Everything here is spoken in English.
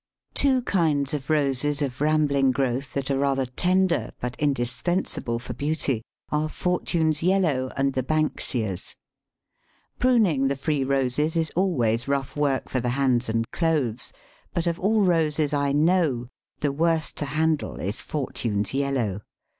Two kinds of Roses of rambling growth that are rather tender, but indispensable for beauty, are Fortune's Yellow and the Banksias. Pruning the free Roses is always rough work for the hands and clothes, but of all Roses I know, the worst to handle is Fortune's Yellow.